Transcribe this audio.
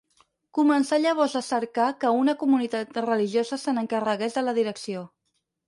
Començà llavors a cercar que una comunitat religiosa se n'encarregués de la direcció.